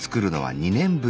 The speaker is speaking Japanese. ２年ぶり。